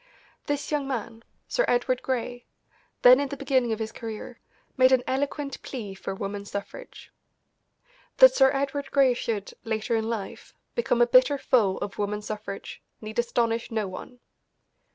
This young man, Sir Edward Grey, then in the beginning of his career, made an eloquent plea for woman's suffrage. That Sir Edward Grey should, later in life, become a bitter foe of woman's suffrage need astonish no one.